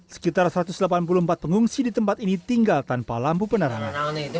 sekitar satu ratus delapan puluh empat pengungsi di tempat ini tinggal tanpa lampu penerangan